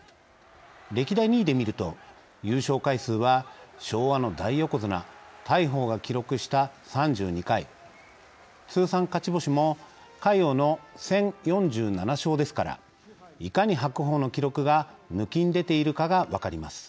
歴代２位で見ると優勝回数は昭和の大横綱大鵬が記録した３２回通算勝ち星も魁皇の１，０４７勝ですからいかに白鵬の記録が抜きんでているかが分かります。